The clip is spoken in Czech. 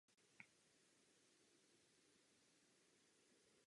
Přála bych si, aby tento případ byl řádně vyšetřen.